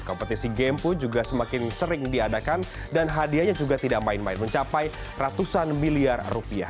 kompetisi game pun juga semakin sering diadakan dan hadiahnya juga tidak main main mencapai ratusan miliar rupiah